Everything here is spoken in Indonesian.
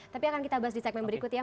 tapi akan kita bahas di segmen berikut ya